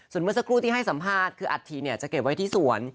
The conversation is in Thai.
ส่วนเมื่อสักครู่ที่ให้สัมภาษณ์คืออัฐิจะเก็บไว้ที่สวน